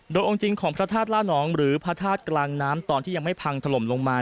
โดยองค์จริงของพระธาตุล่านองหรือพระธาตุกลางน้ำตอนที่ยังไม่พังถล่มลงมา